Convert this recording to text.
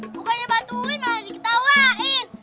bukannya bantuin malah diketawain